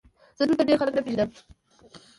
زه دلته ډېر خلک نه پېژنم ؟